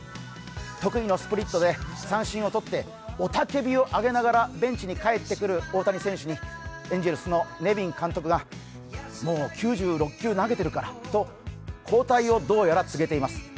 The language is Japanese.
得意のスプリットで三振を取って雄たけびを上げながらベンチに帰ってくる大谷選手のエンゼルスのレビン監督がもう９６球投げているからと交代をどうやら告げています。